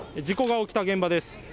事故が起きた現場です。